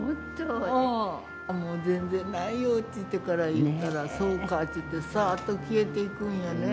もう全然ないよと言ったら、そうかって言って、さーっと消えていくんやね。